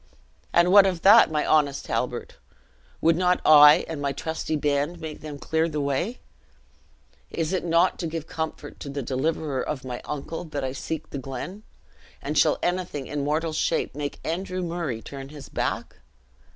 "And what of that, my honest Halbert? would not I and my trusty band make them clear the way? Is it not to give comfort to the deliverer of my uncle, that I seek the glen? and shall anything in mortal shape make Andrew Murray turn his back?